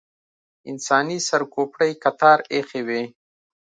انساني سر کوپړۍ کتار ایښې وې.